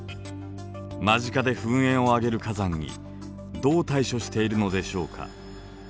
間近で噴煙を上げる火山にどう対処しているのでしょうか。